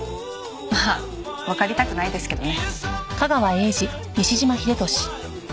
まあわかりたくないですけどね。